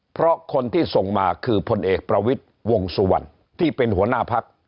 เพราะคนที่ส่งมาคือพลเอกประวิทย์วงสุวรรณที่เป็นหัวหน้าพัก